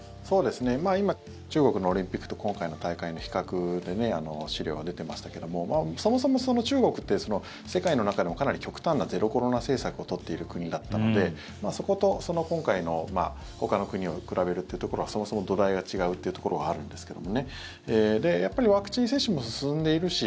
今、中国のオリンピックと今回の大会の比較で資料が出ていましたけどもそもそも中国って世界の中でもかなり極端なゼロコロナ政策を取っている国だったのでそこと今回のほかの国を比べるというところはそもそも土台が違うというところはあるんですけどもやっぱりワクチン接種も進んでいるし